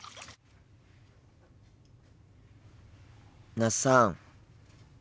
那須さん。